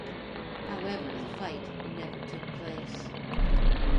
However, the fight never took place.